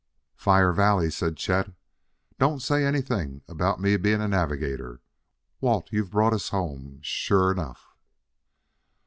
"Fire Valley!" said Chet, "Don't say anything about me being a navigator. Wait, you've brought us home, sure enough."